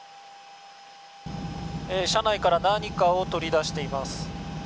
車内から何かを取り出しています。